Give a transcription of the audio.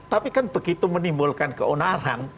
tapi kan begitu menimbulkan keonaran